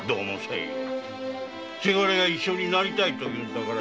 伜が一緒になりたいと言うんだから